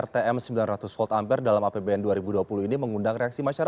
tim liputan cnn indonesia